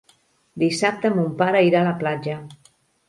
Dissabte mon pare irà a la platja.